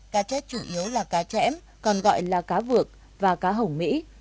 cá chết chủ yếu là cá chẽm còn gọi là cá vượt và cá hổng mỹ